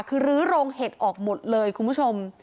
คือรื้อโรงเห็ดออกหมดเลยคุณผู้ชม